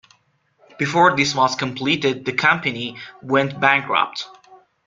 Before this was completed, the company went bankrupt.